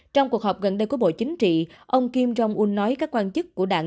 trong cuộc họp gần đây của bộ chính trị ông kim jong un nói các quan chức của đảng